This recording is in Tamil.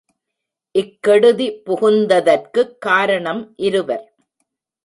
இக் கெடுதி புகுந்ததற்குக் காரணம் இருவர்.